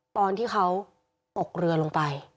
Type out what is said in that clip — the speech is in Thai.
ตอนที่เขาตกเรือลงไป